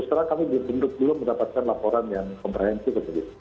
setelah kami belum mendapatkan laporan yang komprehensif